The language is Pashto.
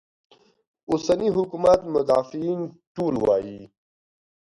اوسني حکومت مدافعین ټول وایي.